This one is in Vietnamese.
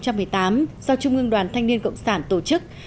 do trung ương đoàn thanh niên cộng sản tổ chức